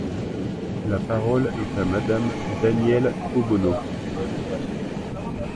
La parole est à Madame Danièle Obono.